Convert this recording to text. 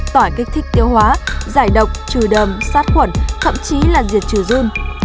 tỏi kích thích tiêu hóa giải độc trừ đầm sát khuẩn thậm chí là diệt trừ dun